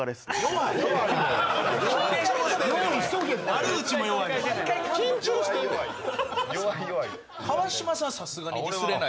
悪口も弱い！